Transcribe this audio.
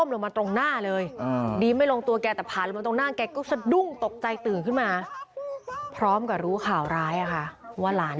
แล้วแกก็ดุ้งตกใจตื่นขึ้นมาพร้อมกับรู้ข่าวร้ายนะคะว่าหลาน